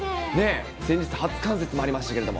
先日、初冠雪もありましたけど。